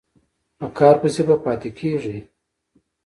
په کار پسې به پاتې کېږې.